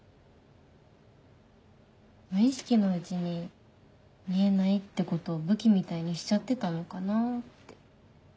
無意識のうちに見えないってことを武器みたいにしちゃってたのかなって。